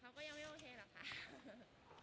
เขาก็ยังไม่โอเคหรอกค่ะ